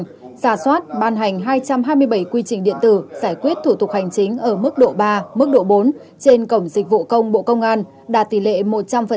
giả soát ban hành hai trăm hai mươi bảy quy trình điện tử giải quyết thủ tục hành chính ở mức độ ba mức độ bốn trên cổng dịch vụ công bộ công an đạt tỷ lệ một trăm linh